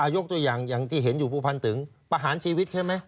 ยกตัวอย่างอย่างที่เห็นอยู่ผู้พันตึงประหารชีวิตใช่ไหม